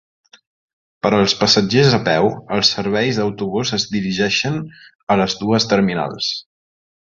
Per als passatgers a peu, els serveis d'autobús es dirigeixen a les dues terminals.